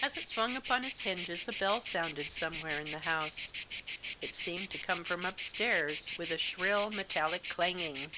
As it swung upon its hinges a bell sounded somewhere in the house. It seemed to come from upstairs, with a shrill, metallic clanging.